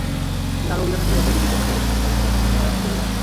তিনি আরো অভিযানের পরিবর্তে বিজিত অঞ্চলে শাসনব্যবস্থা সংহত করায় মনোযোগী হন।